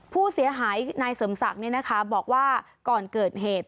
ผู้เสียหายนายเสริมศักดิ์บอกว่าก่อนเกิดเหตุ